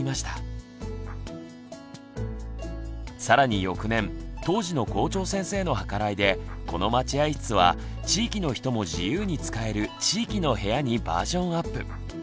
更に翌年当時の校長先生の計らいでこの「待合室」は地域の人も自由に使える「地域の部屋」にバージョンアップ。